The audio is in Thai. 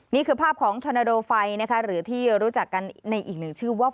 นี่คือภาพของธอนาโดไฟนะคะหรือที่รู้จักกันในอีกหนึ่งชื่อว่า